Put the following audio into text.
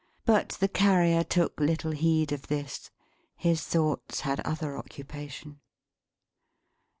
But the Carrier took little heed of this. His thoughts had other occupation.